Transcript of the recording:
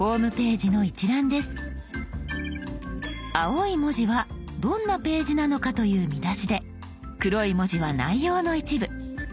青い文字はどんなページなのかという見出しで黒い文字は内容の一部。